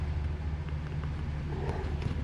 تالابونه د افغانستان په ستراتیژیک اهمیت کې رول لوبوي.